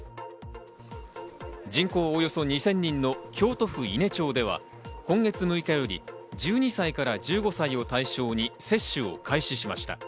人口およそ２０００人の京都府伊根町では今月６日より１２歳から１５歳を対象に接種を開始しました。